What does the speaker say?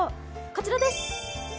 こちらです。